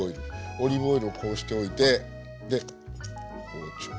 オリーブオイルをこうしておいてで包丁をこうしながら。